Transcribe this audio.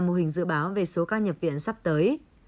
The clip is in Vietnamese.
mô hình dự báo về số ca nhập viện sắp tới